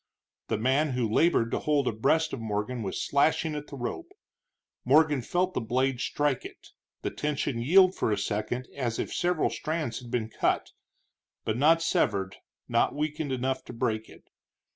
The man who labored to hold abreast of Morgan was slashing at the rope. Morgan felt the blade strike it, the tension yield for a second as if several strands had been cut. But not severed, not weakened enough to break it.